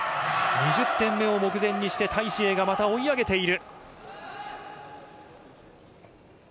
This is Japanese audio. ２０点目を目前にしてタイ・シエイがまた追い上げている。